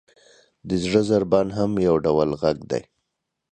• د زړه ضربان هم یو ډول ږغ دی.